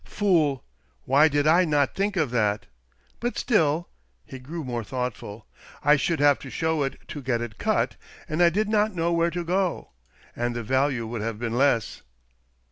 "Fool! Why did I not think of that ? But still "— he grew more thoughtful —" I should have to show it to get it cut, and I did not know where to go. And the value would have been less."